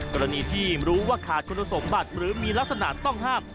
กรณีที่รู้ว่าขาดคุณสมบัติหรือมีลักษณะต้องห้าม